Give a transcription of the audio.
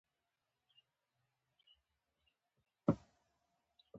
بېشکه له هري سختۍ وروسته آساني راځي.